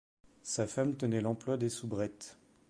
Sa femme tenait l'emploi des soubrettes.